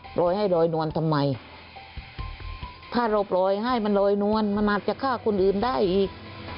ปล่อยให้ลอยนวลทำไมถ้าเราปล่อยให้มันลอยนวลมันอาจจะฆ่าคนอื่นได้อีก